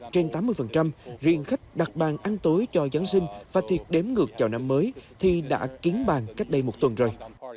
trên tám mươi riêng khách đặt bàn ăn tối cho giáng sinh và thiệt đếm ngược chào năm mới thì đã kiến bàn cách đây một tuần rồi